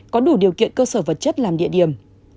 có đủ điều kiện cơ sở vật chất làm địa điểm